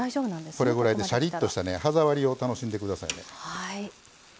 これぐらいでしゃりっとした歯触りを楽しんでください。